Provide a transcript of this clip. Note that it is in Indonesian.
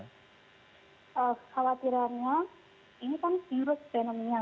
khawatirannya ini kan virus fenomena